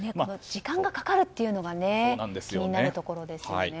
時間がかかるっていうのが気になるところですよね。